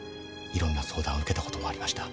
いろんな相談を受けたこともありました。